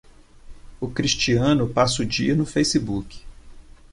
O Cristiano passa o dia no Facebook